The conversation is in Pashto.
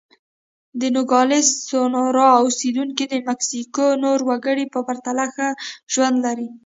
د نوګالس سونورا اوسېدونکي د مکسیکو نورو وګړو په پرتله ښه ژوند لري.